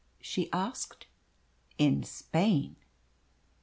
she asked. "In Spain."